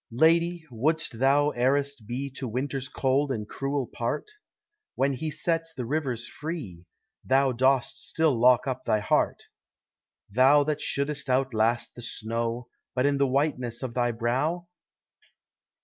Lady, wouldst thou heiress be To Winters cold and cruel part? When he sets the rivers free, Thou dost still lock up thy heart; Thou that shouldst outlast the snow, But in the whiteness of thy brow?